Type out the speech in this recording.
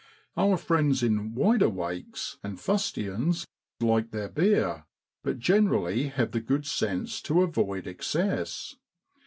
Our friends in ' wideawakes ' and fustians like their beer, but generally have the good sense to avoid excess.